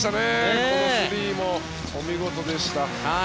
このスリーもお見事でした。